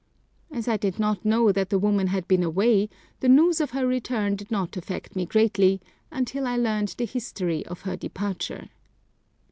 As I did not know that the woman had been away, the news of her return did not affect me greatly until I learned the history of her departure.